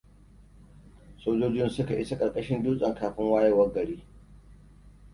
Sojojin suka isa ƙarƙashin dutsen kafin wayewar gari.